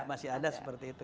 masih ada seperti itu